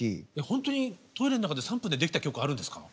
ほんとにトイレの中で３分で出来た曲あるんですか？